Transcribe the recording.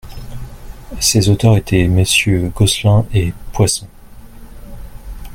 Ses auteurs étaient MMonsieur Gosselin et Poisson.